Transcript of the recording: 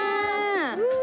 うわ！